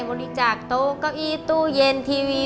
บริจาคโต๊ะเก้าอี้ตู้เย็นทีวี